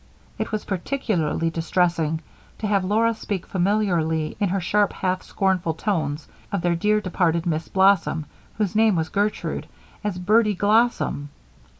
It was particularly distressing to have Laura speak familiarly in her sharp, half scornful tones, of their dear, departed Miss Blossom, whose name was Gertrude, as Bertie Glossom.